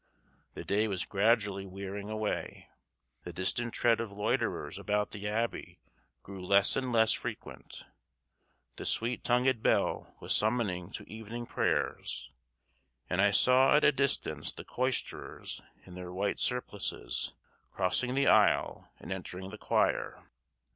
The day was gradually wearing away; the distant tread of loiterers about the abbey grew less and less frequent; the sweet tongued bell was summoning to evening prayers; and I saw at a distance the choristers in their white surplices crossing the aisle and entering the choir.